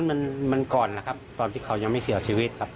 มันมันก่อนนะครับตอนที่เขายังไม่เสียชีวิตครับ